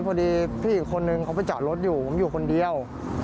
พอดีพี่อีกคนนึงเขาไปจอดรถอยู่ผมอยู่คนเดียว